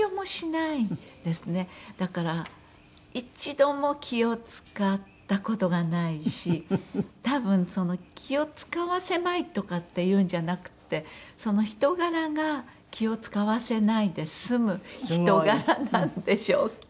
だから一度も気を使った事がないし多分気を使わせまいとかっていうんじゃなくてその人柄が気を使わせないで済む人柄なんでしょうきっと。